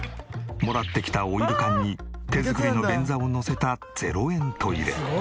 もらってきたオイル缶に手作りの便座をのせた０円トイレ。